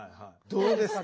どうですか？